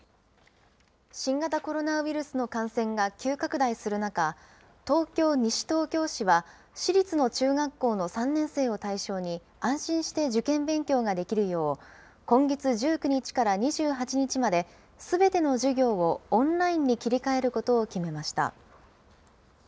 新型コロナウイルスの感染が急拡大する中、東京・西東京市は、市立の中学校の３年生を対象に、安心して受験勉強ができるよう、今月１９日から２８日まで、すべての授業をオンラインに切り替えることを決めました。